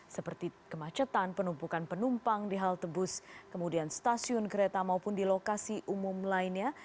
seperti kemacetan penumpukan penumpang di halte bus kemudian stasiun kereta maupun di lokasi umum lainnya